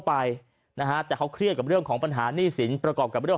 ไปนะฮะแต่เขาเครียดกับเรื่องของปัญหาหนี้สินประกอบกับเรื่อง